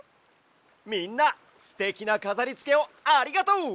みんなすてきなかざりつけをありがとう！